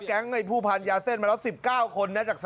แก๊งค์ในผู้พันยาเส้นมาแล้ว๑๙คนนะจาก๓๐